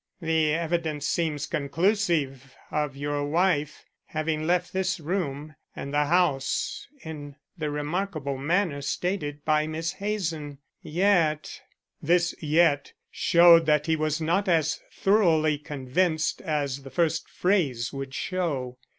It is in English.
"The evidence seems conclusive of your wife having left this room and the house in the remarkable manner stated by Miss Hazen. Yet " This yet showed that he was not as thoroughly convinced as the first phrase would show.